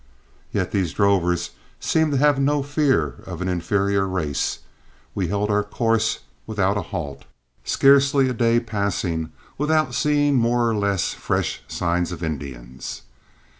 Yet these drovers seemed to have no fear of an inferior race. We held our course without a halt, scarcely a day passing without seeing more or less fresh sign of Indians.